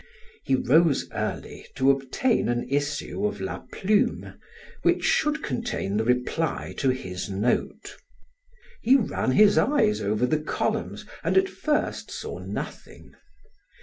He rose early to obtain an issue of "La Plume" which should contain the reply to his note. He ran his eyes over the columns and at first saw nothing.